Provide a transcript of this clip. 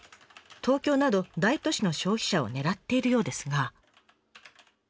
東京など大都市の消費者を狙っているようですが。